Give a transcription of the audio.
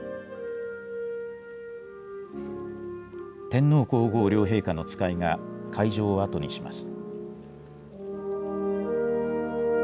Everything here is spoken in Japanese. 天皇皇后両陛下の使いが会場を後にします。